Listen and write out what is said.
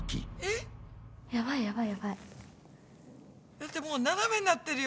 だってもう斜めになってるよ。